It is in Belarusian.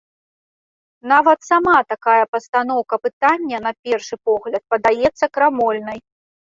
Нават сама такая пастаноўка пытання на першы погляд падаецца крамольнай.